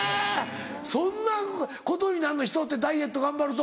そんなことになんの？人ってダイエット頑張ると。